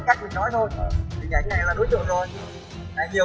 cách mình nói thôi bình ảnh này là đối tượng rồi này nhiều